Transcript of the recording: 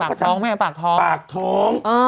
ปากท้องมั้ยปากท้องปากท้อง